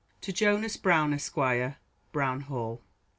To JONAS BROWN, Esq., Brown Hall.